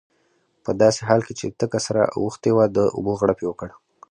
په داسې حال کې چې تکه سره اوښتې وه د اوبو غړپ یې وکړ.